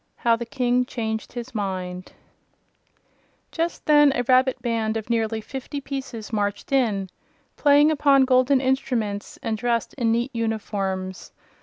How the King Changed His Mind Just then a rabbit band of nearly fifty pieces marched in, playing upon golden instruments and dressed in neat uniforms.